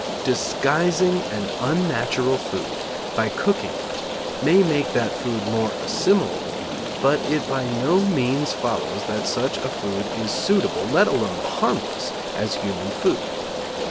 Disguising an unnatural food by cooking it may make that food more assimilable, but it by no means follows that such a food is suitable, let alone harmless, as human food.